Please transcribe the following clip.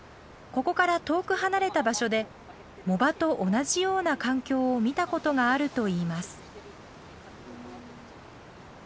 ここから遠く離れた場所で藻場と同じような環境を見たことがあるといいます。